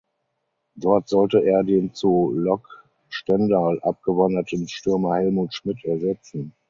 Dort sollte er den zu Lok Stendal abgewanderten Stürmer Helmut Schmidt ersetzen.